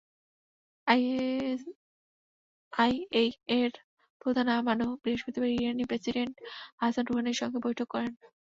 আইএইএর প্রধান আমানো বৃহস্পতিবার ইরানি president Hassan রুহানির সঙ্গে বৈঠক করেন।